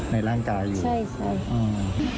ในร่างกายยิน